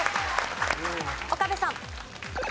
岡部さん。